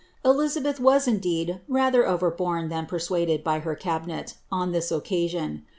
£li abeth was, indeed, rather overborne, than persuaded, by her cabinet, on this ocGasion.